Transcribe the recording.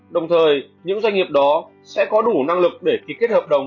đồng thời những doanh nghiệp đó sẽ có đủ năng lực để ký kết hợp đồng